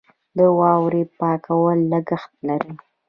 د واورې پاکول لګښت لري.